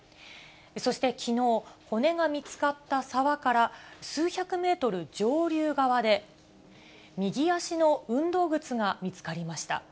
そして、きのう、骨が見つかった沢から数百メートル上流側で、右足の運動靴が見つかりました。